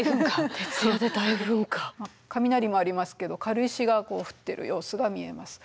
雷もありますけど軽石が降ってる様子が見えます。